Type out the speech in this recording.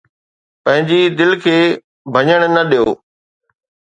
پنهنجي دل کي ڀڄڻ نه ڏيو